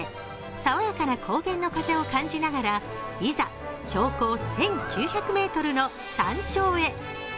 爽やかな高原の風を感じながらいざ標高１９００ｍの山頂へ。